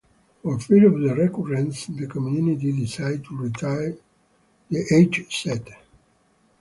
For fear of a recurrence, the community decided to retire the age-set.